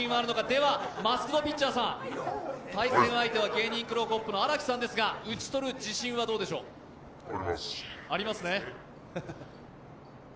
ではマスク・ド・ピッチャーさん、対戦相手は芸人クロコップの荒木さんですが打ち取る自信はどうでしょう？あります。